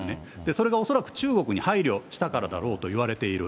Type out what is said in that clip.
それが恐らく中国に配慮したからだろうといわれている。